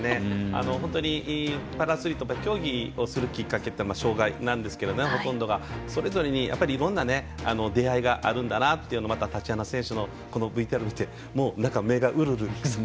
本当にパラアスリートが競技をするきっかけってほとんどが障がいなんですけどそれぞれに、いろんな出会いがあるんだなというのをまたタチアナ選手のＶＴＲを見て目がうるうる。